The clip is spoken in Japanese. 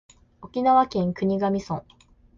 沖縄県国頭村